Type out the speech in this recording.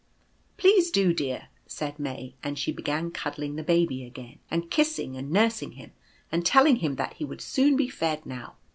" Please do, dear," said May ; and she began cuddling the Baby again, and kissing, and nursing him, and telling him that he would soon be fed now.